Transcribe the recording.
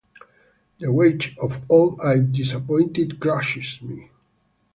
The weight of all I’ve disappointed crushes me.